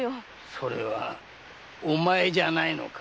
それはお前じゃないのか⁉